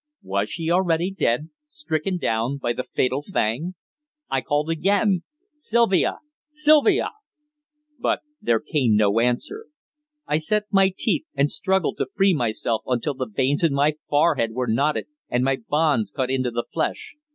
Was she already dead stricken down by the fatal fang? I called again: "Sylvia! Sylvia!" But there came no answer. I set my teeth, and struggled to free myself until the veins in my forehead were knotted and my bonds cut into the flesh.